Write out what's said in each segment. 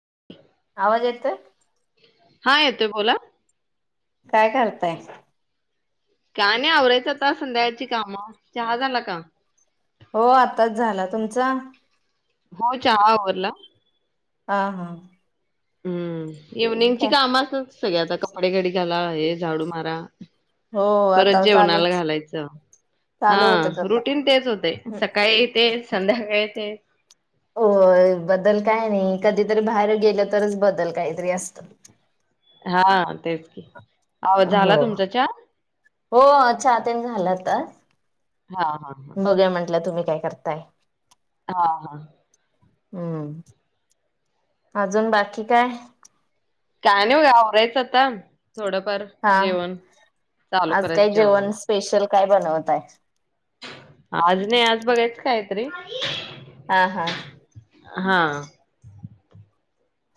[inaudible] आवाज येतोय. हा येतोय बोला. काय करताय. काय नाही आवरायच आता संध्याकाळची काम. चहा झाला का? हो आताच झाला तुमचा. हो चहाआवरला. हा हा. हम्म. इव्हनिंग ची काय काम असतात. सगळे आता कपडे घडी घाला आहे झाडू मारा हो परत आता जेवणाला चालूच घालायचं चालू होतच हा आता रुटीन तेच होते सकाळी तेच संध्याकाळी तेच होय बदल काही नाही कधीतरी बाहेर गेल तरच बदल काहीतरी असतं. हा हा तेच की. आव झाला हो तुमचा चहा हो चहा ते झाला आता. हा हा बघुया म्हटल्या तुम्ही काय करताय. हा हा, हम्म अजून बाकी काय? काय नाही हो ए आवरायचं आता थोडंफार हा जेवण चालू आज काय करायचं जेवण जेवणाला. स्पेशल काय बनवताय. आज नाही आज बघायचं कायतरी. आई हा हा. हा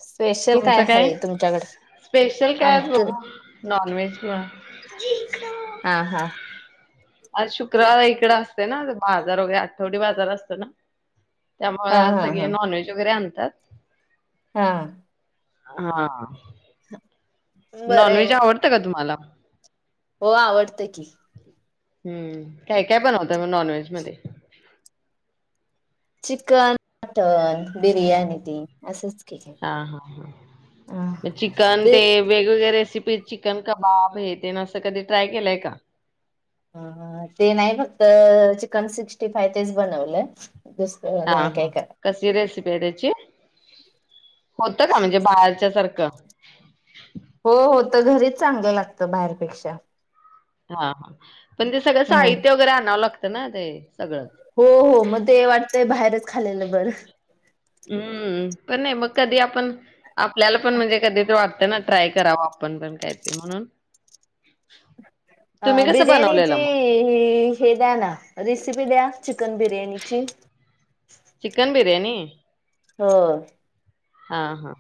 स्पेशल तुमचं काय आहे तुमच्याकडे स्पेशल काय आमचं बघू नॉन व्हेज कीवा हा हा आज शुक्रवार इकडे असते बाजार वगैरे आठवडे बाजार असतो ना. हा त्यामुळ हा सगळे हा नॉनव्हेज वगैरे आण त्यात. हा. हा [unintelligible] बरं आहे नॉनव्हेज मग आवडतं का तुम्हाला? हो आवडतं की हूं काय काय बनवताय म नॉनव्हेज मध्ये चिकन, मटन बिर्याणी ती असंच की हा हा हा म चिकन बे ते वेगवेगळ्या रेसिप ते चिकन कबाब हे तेनं असं कधी ट्राय केलं का? अअ ते नाही फक्त चिकन सिक्स्टी फाय तेच बनवलंय. दुसरं हा नाही हा काय करा कशी रेसिपी आहे त्याची होत का? म्हणजे बाहेरच्या सारखं हो होत घरीच चांगलं लागतं बाहेरपेक्षा हा हा पण ते सगळं हम्म साहित्य वैरे आणावं लागं कना ते सगळं हो हो मध्ये वाट ते बाहेरच खालेलं बर अम्म पण नाय मग कधी आपण आपल्याला पण म्हणजे कधी तर वाटतं ना ट्राय करावा. आपण पण काय ते म्हणून [unintelligible] अ कसं बिर्याणीची बनवलेलं मग? ही हे द्या ना. रेसिपी द्या. चिकन बिरयाणीची त्यांनी होय. हा हा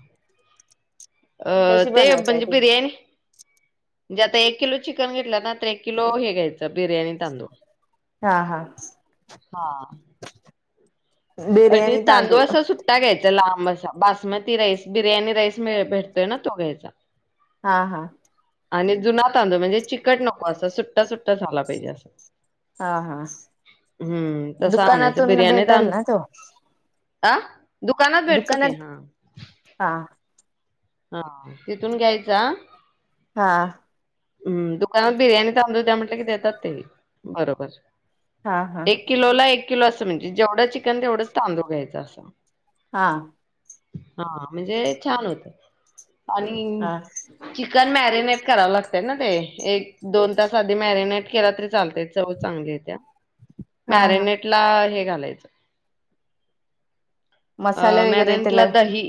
अं कशी ते बनवताय म्हणजे तुम्ही बिर्याणी जे आता एक किलो चिकन घेतला ना एक किलो हे घ्यायचं बिर्याणी तांदूळ हा हा हां. आणि तांदूळ असा सुट्टा घ्याय लांब असा बासमती राईस बिर्याणी राईस मिळ भेटतोय ना तो घ्यायचा. हा हा आणि जुना तांदूळ म्हणजे चिकट नको असं सुट्टा सुट्टा झाला पाहिजे असं हा हा हम्म. तसा आणायचा दुकानातून बिर्याणी भेटेल ना तांदूळ तो आ दुकानात भेटतो की, दुकानात हा हा हा तिथून घ्यायचा हा हम् दुकानात बिर्याणी थांबू द्या म्हट कि देतात ते बरोबर हा हा एक किलो ला एक किल असं म्हणजे जेवढं चिकन तेवढंच तांदू घ्यायं असं हां हा म्हणजे छान होत आणि हा च कण मॅरिनेट कराव लागतय ना ते, एक दोन तास आधी मॅरिनेट केला तरी चालतय चव चांगली येत्या हा हा मॅरिनेट ला हे घाल [unintelligible] अ मसाले वगैरे त्याला मॅरेंटला दही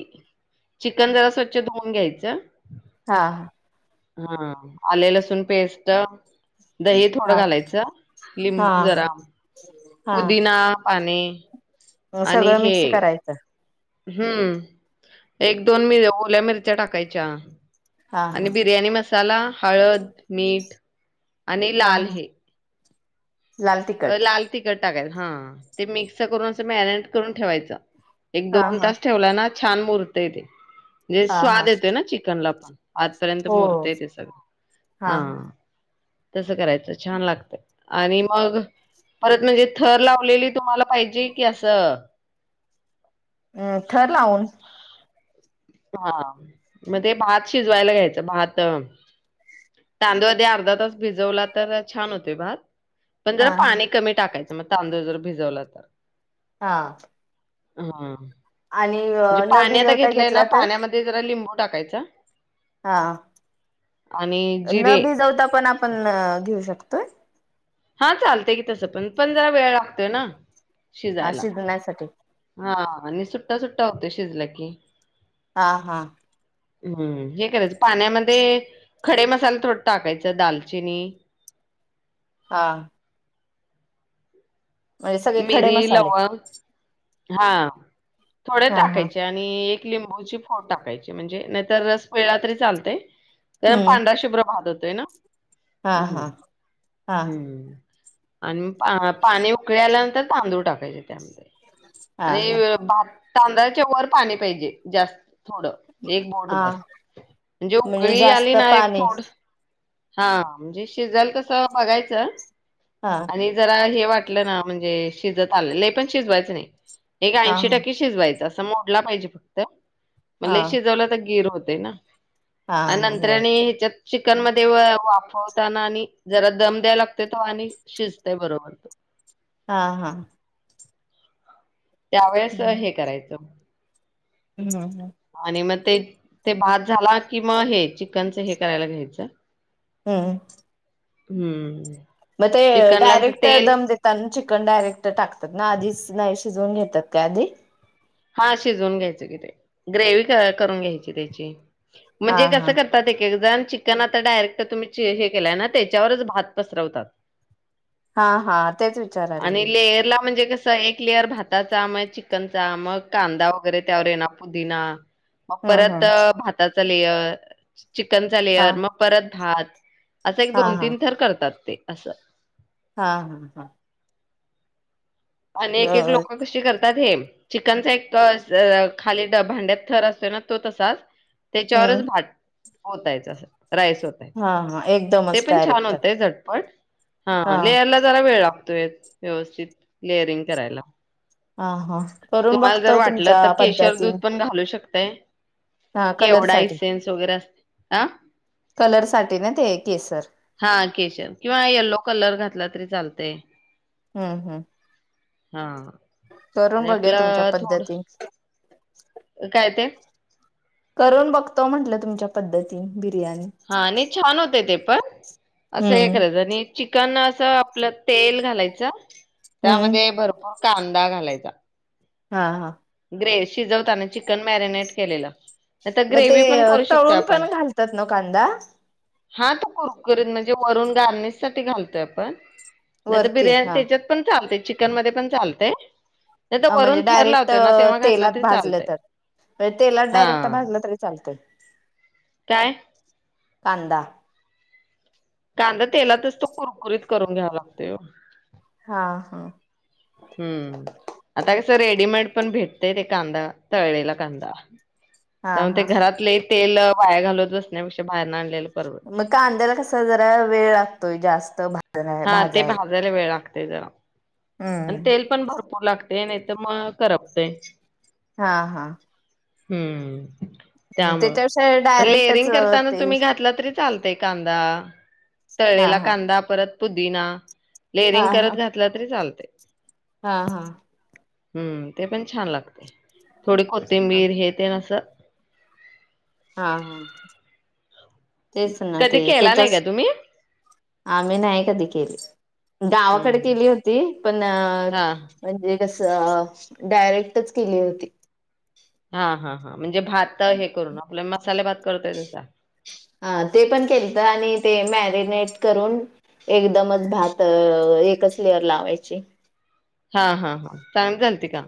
चिकन जरा स्वच्छ धुवून घ्यायचं हा हा आले लसूण पेस्ट दही हा थोडं घालायचं हा लिंबू जरा पुदिना पाने अ आणि सगळं हे मिक्स करायचं हम्म एक दोन मि ओल्या मिरच्या टाकायच्या हा हा आणि बिर्याणी मसाला हळद मीठ आणि हा लाल हा हे लाल अ तिखट लाल तिखट टाकायचं हा ते मिक्स करून अस मॅरेंट करून ठेवायच एक हा दोन हा तास ठेवला ना छान मूरतय ते जे हा हा स्वाद येतोय ना चिकनला [inaudible] आतपर्यंत हो मुरतय ते सगळं हा तसं करायचं छान लागतं आणि मग परत म्हणजे थर लावलेले तुम्हाला पाहिजे की असं अम् थर लावून हा मधे भात शिजवायला घ्यायचं भात तांदूळ द्या आधी अर्धा तास भिजवला तर छान होतोय भात पण हा जरा हा पाणी कमी टाकायचं म तांदूळ जर भिजवला तर हा हा आणि म्हणजे न पाणी आता भिजवता घेतलंय घेतला ना तर पाण्यामध्ये जरा लिंबू टाकायचा हा आणि न जिरे भिजवता पण आपण घेऊ शकतो [inaudible] हा चालतंय की तसं पण पण जरा वेळ लागतोय ना हा शिजायला शिजण्यासाठी हा आणि सुट्टा सुट्टा होतोय शिजला की हा हा. हम्म हे करायचं पाण्यामध्ये खडे मसाला थोड टाकायचं दालचिनी हा. म्हणजे सगळे खडे मिरी मसाले लवंग हा. थोडे हा हा टाकायचे आणि लिंबूची फोड टाकायची म्हणजे नाहीतर रस पिळला तरी चालते त्या हम्म पांडरा शुभ्र भात ते ना. हा हा. म्हणून हा हम्म. आणि पाणी उकळ आल्यानंतर तांदूळ टाकायचे त्यामध्ये हा हा आणि भा तांदळाचे वर पाणी पाहिजे जास थोडं एक बोट हा भर म्हणजे म्हणजे उकळी आली जास्त ना एक पाणी थोड हा म्हणजे शिजल तसं बघायचं हा आणि जरा हे वाटलं ना म्हणजे शिजत आलेलं पण शिजवायचं नाही एक हा ऐंशी हा टक्क शिजयचं मोडला पाहिजे फक्त म्हण हा शिजवला तर गीर होत ते ना. आणि हा होय नंतर्याने ह्याच्यात चिकन मध तेव्हा वाफवताना आणि जरा दम द्यायला लागते तो आणि शिजतय बरोबर हा हा. त्यावेेळेस हे करायचं ह ह. आणि मग ते ते भात झाला कि मग हे चिकनच हे करायला घ्यायचं हम्म हम्म मग ते चिकनला कसं डायरेक्ट तेल दम देतातना चिकन डायरेक्ट टाकतात ना आधीच नाहीशीजोन येतात काय आधी हा शिजवून घ्यायच किथ ग्रेवी करून घ्यायची त्याची हा म्हणजे हा कसं करतात एक एक जण चिकन आता डायरेक्ट तुम्ही हे केलाय ना त्याच्यावरच भात पसरवतात हा हा तेच विचारले मी तस एक लेअर भाताचांम चिकन आमक कांदा वगैरे त्यावर येणार पुदीिना मग हम्म परत हम्म भाता स्ल चिकन चा हा लेअर मग परत भात असं एक हा दोन हा तीन थर करतात ते असं हा हा हा आणि एक एक बर लोक कशी करतात हे चिकनचा एक खाली भांड्यात थर असतोय ना तो तसाच त्याच्यावरच हम्म भात होतायचं राईस होतय हा हा ते एकदमच पण छान डायरेक्ट होतेय झटपट हा लेरला जरा वेळ व्यवस्थित लेअरिंग करायला हा हा करून तुम्हाला जर बघतो तुमच्या पद्धतीने ते केवढा सेन्स वगैरे असते आह कलरसाठीठी ना ते केसर हा केशर किंवा यल्लो कलर घातला तरी चालतय हम् हम् हा करून आणि बघया तुमच्या आपलं पद्धतीन थोडं काय ते करून बघतो म्हंटलं तुमच्या पद्धती बिर्याणी हा नाही, छान होतय ते बरं असं हे हम्म करायचं, आणि चिकन अस आपलं तेल घालायचं. हम्म त्यामध्ये भरपूर कांदा घालायचा. हा हा ग्रेवी शिजवताना चिकन मॅरिनेट केलेलं. नाही तर मग ते ग्रेव्ही पण करू शकतोय तळून आपण पण घालतात, ना कांदा? हा तो कुरकुरीत म्हणजे वरून गार्निश साठी, घालतोय आपण नाही तर वरती बिर्याणी हा तेच्यात पण चालतय चिकन मध्ये पण चालतय? अ म्हणजे डायरेक्ट तेलात तरी भाजलं चालतय तर व्हय तेलात डायरेक्ट हा भाजलं तरी चालतय [unintelligible] काय? कांदा कांदा तेलातच तो कुरकुरीत करून घ्यावा, लागतोय ओ हा, हं हम आता कसं रेडीमेड पण भेटतयं, ते कांदा तळलेला कांदा हा त्यामुळे ते हा घरात लई तेल वाया घालत बसण्यापेक्षा बाहेरन आणलेल मग कांद्याला कसा जरा वेळ लागतोय, जास्त स्त भा [unintelligible] हा ते भाजायला वेळ लागत ते जरा आणि हम्म तेल पण भरपूर लागत ते नाही, तर मग करपतय. हा, हा हम्म! हम्म, त्यामुळं, त्याच्यापेक्षा पण डायरेक्टच लेअरिंग करताना ते तुम्ही घातला तरी चालतयं कांदा हा तळलेला हा कांदा परत पुदीना हा लेरिंग करत हा घातलें, तरी चालतं हा, हा हम्म! ते पण छान लागतय. थोडी कोथिंबीर तेन आस हा, हा तेच ना कधी ते केला नाही त्याच्याच का तुम्ही आम्ही नाही कधी केली. हम्म गावाकडे हम्म केली होती. पण हा म्हणजे कसं डायरेक्टच केली होती. हा हा हा म्हणजे भात हे करून आपल्या मसाले भात करतोय तसा हा ते पण केलतं आणि ते मॅरिनेट करून एकदमच भात अ एकच लेअर लावायची. हा हा हा चांगली झालती का?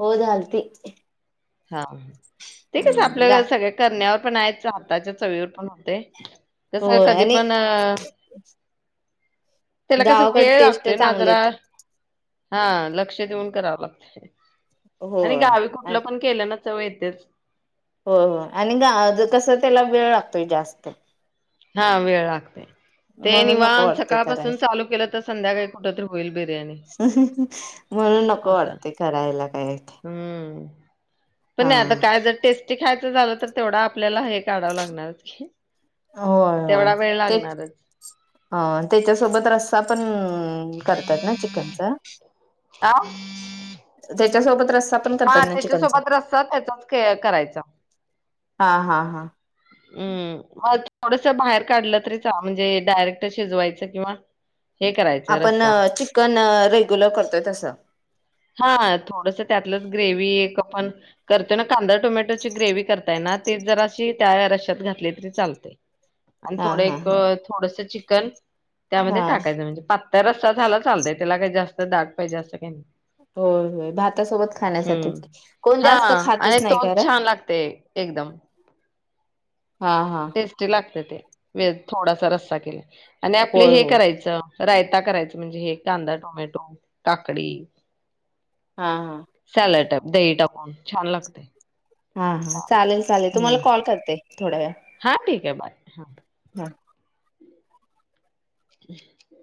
हो झालती. हा ते कस हं, गा आपल्या सगळ्या करण्यावर पण आहेच हाताच्या चवीवर पण होते. कसंय होय कधी आणि पण अ त्याला कसं गावाकड वेळ टेस्ट लागतोय ना चांगले जरा येते हा लक्ष देऊन करावं लागतं. होय [unintelligible] चव येतेच हो हो आणि ग कसं त्याला वेळ लागतोय जास्त. हा वेळ लागतो. म्हणून नको वाटते करायला, केलं तर संध्याकाळी कुठ तरी होईल बिर्याणी म्हणून नको असं वाटते करायला काय. हम्म पण हा नाही आता काय जर टेस्टी खाय झालं तर तेवढं आपल्याला हे काढावं लागणार‌च की. होय होय तेवढा वेळ ते लागणारच त्याच्यासोबत रस्सा पण ह् करतात ना चिकनचा आ त्या सोबत रस्सा पण करतात हा ना चिकनचा. त्याच्यासोबत रस्सा त्याचाच क करायचा. हा हा हा. हम् म थोडस बाहेर काढलं तरी म्हणजे डायरेक्ट शिजवायचं किंवा हे करायचं आपण रस्सा चिकन रेग्युलर करतोय तसं. प्लस ग्रेवी करतो ना कांदा टोमॅटोची ग्रेव करताय ना ते जराशी त्या रस्सात घातली तरी चालते. आणि हा थोडं हा एक हा थोडस चिकन कण त्यामध्ये हा टाकायच म्हणजे पात त्या रस्ता झाला चालतय त्याला काही जास्त दाग पाहिजे अस काय नायी. हो हो भातासोबत खाण्यासाठीच, कोण हा जास्त आणि खातच नायी तोच खर. छान लागते एकदम हा हा. ते ते वे थोडासा रस्सा केला. आणि आपले होय हे होय करायच रायता करायच म्हणजे हे कांदा टोमॅटो काकडी. हा हा. दई टाकून छान लागतय. हा हा चालेल चालेल तुम्हाला कॉल करते. थोड्या या बाय, हा. [inaudible] [inaudible]